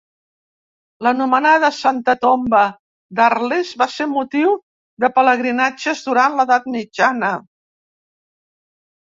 L'anomenada Santa Tomba d'Arles va ser motiu de pelegrinatges durant l'Edat Mitjana.